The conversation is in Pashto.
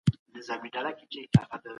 د اورنګزېب عالمګیر دوره اوږده وه